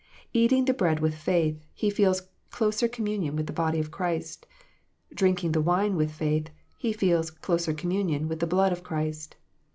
Eating the bread with faith, he feels closer communion with the body of Christ. Drinking the wine with faith, he feels closer communion with the blood of Christ.